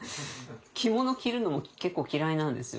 着物着るのも結構嫌いなんですよ。